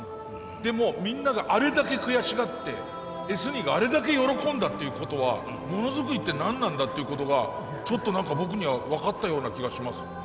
でもみんながあれだけ悔しがってＳニーがあれだけ喜んだっていうことはモノづくりって何なんだっていうことがちょっと何か僕には分かったような気がします。